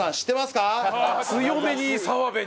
強めに澤部に。